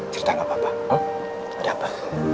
cerita gak apa apa